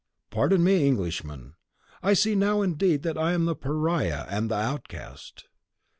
Pardon me, Englishman; I see now, indeed, that I am the Pariah and the outcast."